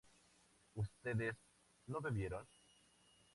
¿ustedes no bebieron?